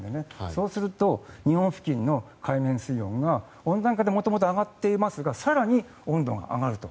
そうすると日本付近の海面水温が温暖化でもともと上がっていますが更に温度が上がると。